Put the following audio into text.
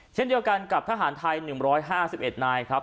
เช่นเดียวกันกับทหารไทย๑๕๑นายครับ